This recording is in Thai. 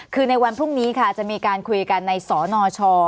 คือในวันพรุ่งนี้ค่ะจะมีการคุยกันในสนช